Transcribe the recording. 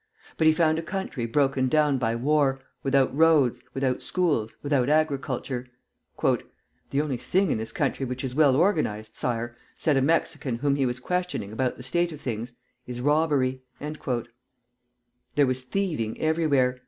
But he found a country broken down by war, without roads, without schools, without agriculture. "The only thing in this country which is well organized, sire," said a Mexican whom he was questioning about the state of things, "is robbery." There was thieving everywhere.